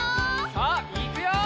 さあいくよ！